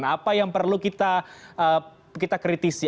apa yang perlu kita kritisi